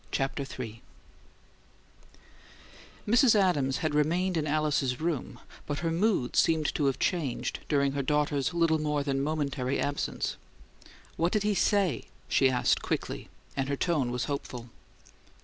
CHAPTER III Mrs. Adams had remained in Alice's room, but her mood seemed to have changed, during her daughter's little more than momentary absence. "What did he SAY?" she asked, quickly, and her tone was hopeful.